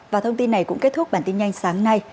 và thông tin này cũng kết thúc bản tin nhanh sáng nay